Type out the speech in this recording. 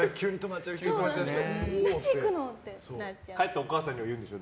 帰ってお母さんに言うんでしょ？